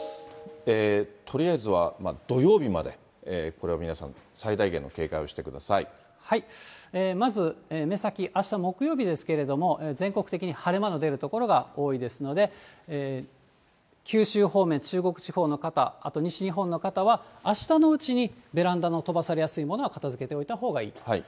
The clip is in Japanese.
とりあえずは土曜日まで、これは皆さん、まず目先、あした木曜日ですけれども、全国的に晴れ間の出る所が多いですので、九州方面、中国地方の方、あと、西日本の方は、あしたのうちに、ベランダの飛ばされやすいものは片づけておいたほうがいいと。